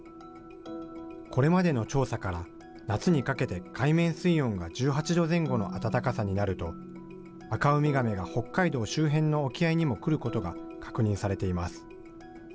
これまでの調査から、夏にかけて海面水温が１８度前後の暖かさになると、アカウミガメが北海道周辺の沖合にも来ることが確認されています。